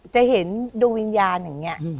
จะเห็นดวงวิญญาณอย่างนี้